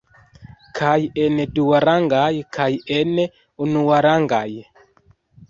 Kaj en duarangaj kaj en unuarangaj.